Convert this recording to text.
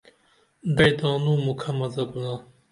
دعی تانو مُکہ مزہ کونہ